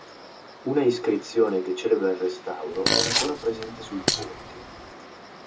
Una iscrizione che celebra il restauro è ancora presente sul ponte.